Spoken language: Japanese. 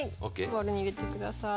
ボウルに入れて下さい。